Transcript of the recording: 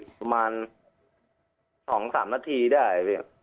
ประมาณ๒๓นาทีได้